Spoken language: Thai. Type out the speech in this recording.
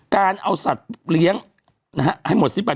การเอาสัตว์เลี้ยงให้หมดสิ้นไป